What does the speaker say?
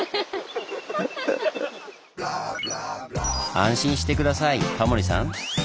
安心して下さいタモリさん。